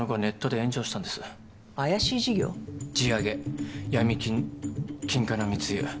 地上げ闇金金塊の密輸。